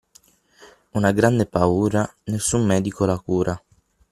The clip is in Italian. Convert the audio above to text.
Una grande paura nessun medico la cura.